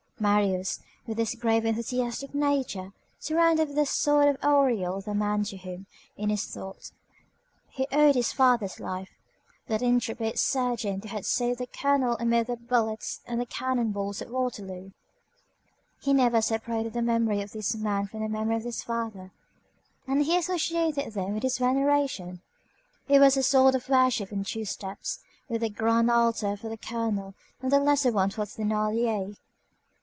Marius, with his grave and enthusiastic nature, surrounded with a sort of aureole the man to whom, in his thoughts, he owed his father's life,—that intrepid sergeant who had saved the colonel amid the bullets and the cannon balls of Waterloo. He never separated the memory of this man from the memory of his father, and he associated them in his veneration. It was a sort of worship in two steps, with the grand altar for the colonel and the lesser one for Thénardier.